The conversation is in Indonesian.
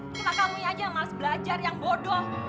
cuma kamu aja yang males belajar yang bodoh